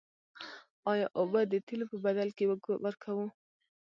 آیا اوبه د تیلو په بدل کې ورکوو؟